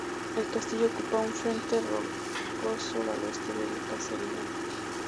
El castillo ocupa un frente rocoso al oeste del caserío.